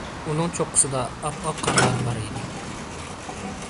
ئۇنىڭ چوققىسىدا ئاپئاق قارلار بار ئىدى.